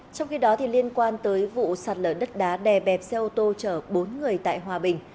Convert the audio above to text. trong khi đó liên quan tới vụ sạt lở đất đá đè bẹp xe ô tô chở bốn người tại hòa bình